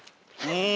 うん。